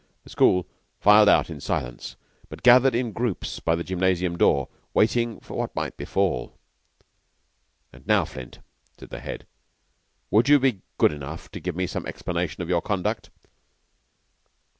The school filed out in silence, but gathered in groups by the gymnasium door waiting what might befall. "And now, Flint," said the Head, "will you be good enough to give me some explanation of your conduct?"